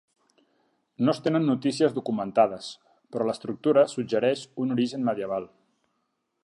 No es tenen notícies documentades, però l'estructura suggereix un origen medieval.